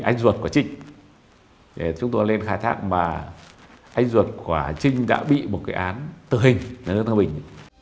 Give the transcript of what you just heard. anh duật quả trinh để chúng tôi lên khai thác mà anh duật quả trinh đã bị một cái án tự hình ở lương thanh bình